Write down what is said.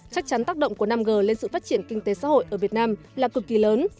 chắc chắn tác động của năm g lên sự phát triển kinh tế xã hội ở việt nam là cực kỳ lớn